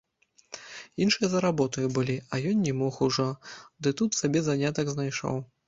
Іншыя за работаю былі, а ён не мог ужо, дык тут сабе занятак знайшоў.